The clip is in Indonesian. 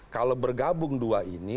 kalau bergabung dua ini